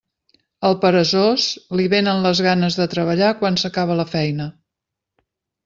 Al peresós, li vénen les ganes de treballar quan s'acaba la feina.